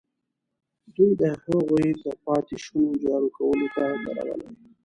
دوی د هغوی د پاتې شونو جارو کولو ته درولي.